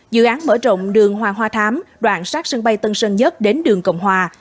dự án mở rộng đường hoàng hoa thám đoạn sát sân bay tân sơn nhất đến đường cộng hòa